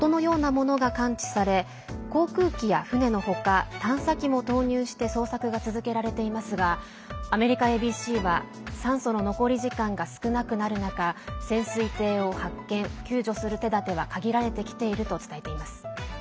２０日、２１日と２日間続けて海中から音のようなものが感知され航空機や船の他探査機も投入して捜索が続けられていますがアメリカＡＢＣは酸素の残り時間が少なくなる中潜水艇を発見、救助する手だては限られてきていると伝えています。